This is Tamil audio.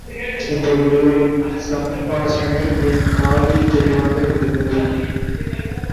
இந்த இருவரின் சம்பாஷணை என் காதில் தெளிவாக விழுந்தது.